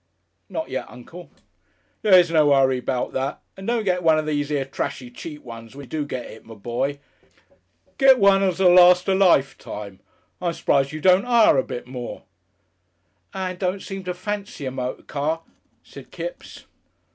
"Not yet, uncle." "There's no 'urry 'bout that. And don't get one of these 'ere trashy cheap ones when you do get it, my boy. Get one as'll last a lifetime.... I'm surprised you don't 'ire a bit more." "Ann don't seem to fency a moty car," said Kipps.